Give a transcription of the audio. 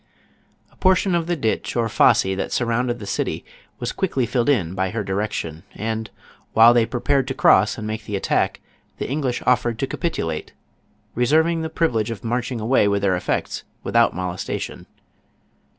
A portion of the ditch or fosse that surrounded the city, was quickly filled by her direction, and, while they prepared to cross and make the attack, the Eng lish offered to capitulate, reserving the privilege of inarching away with their effects without molestation.